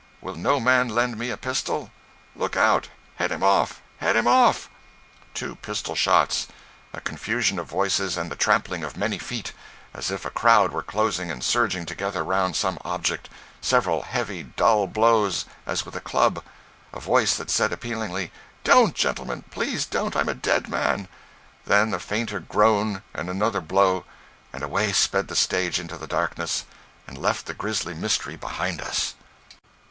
Will no man lend me a pistol?" "Look out! head him off! head him off!" [Two pistol shots; a confusion of voices and the trampling of many feet, as if a crowd were closing and surging together around some object; several heavy, dull blows, as with a club; a voice that said appealingly, "Don't, gentlemen, please don't—I'm a dead man!" Then a fainter groan, and another blow, and away sped the stage into the darkness, and left the grisly mystery behind us.